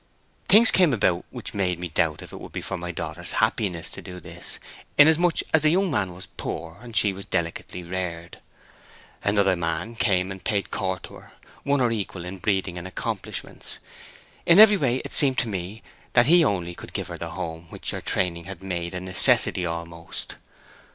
Things came about which made me doubt if it would be for my daughter's happiness to do this, inasmuch as the young man was poor, and she was delicately reared. Another man came and paid court to her—one her equal in breeding and accomplishments; in every way it seemed to me that he only could give her the home which her training had made a necessity almost.